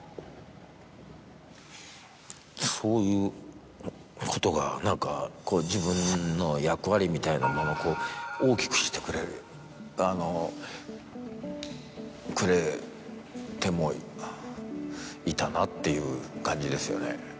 そういうことが何かこう自分の役割みたいなものを大きくしてくれてもいたなっていう感じですよね。